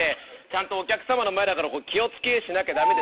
ちゃんとお客様の前だから気を付けしなきゃ駄目。